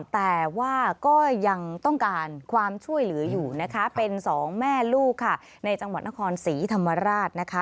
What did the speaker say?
แต่ก็ยังต้องการความช่วยเหลืออยู่เป็นสองแม่ลูกในจังหวัดธนภรรณ์ศรีธรรมาราช